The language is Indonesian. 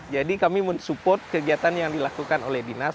jadi kami mensupport kegiatan yang dilakukan oleh dinas